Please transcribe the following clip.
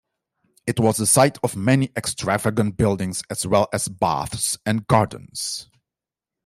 It was the site of many extravagant buildings as well as baths and gardens.